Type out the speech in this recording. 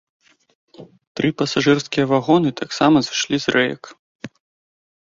Тры пасажырскія вагоны, таксама сышлі з рэек.